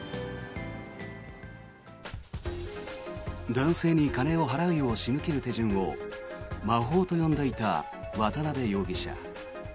男性に金を払うよう仕向ける手順を魔法と呼んでいた渡邊容疑者。